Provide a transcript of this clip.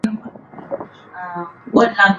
ifanya juhudi za kidiplomasia ziende haraka zaidi